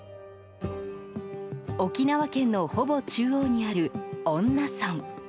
沖縄県のほぼ中央にある恩納村。